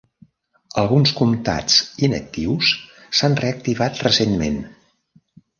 Alguns comtats inactius s'han reactivat recentment.